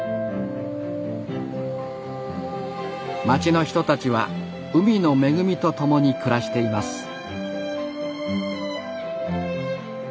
町の人たちは海の恵みとともに暮らしています。